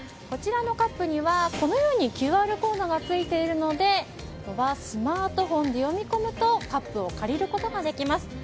こちらのカップにはこのようにＱＲコードがついているのでスマートフォンで読み込むとカップを借りることができます。